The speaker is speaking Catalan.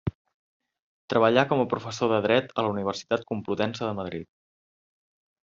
Treballà com a professor de dret a la Universitat Complutense de Madrid.